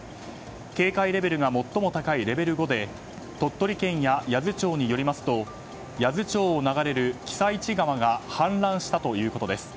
警戒レベルが最も高いレベル５で鳥取県や八頭町によりますと八頭町を流れる私都川が氾濫したということです。